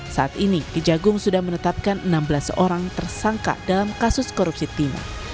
saat ini kejagung sudah menetapkan enam belas orang tersangka dalam kasus korupsi tim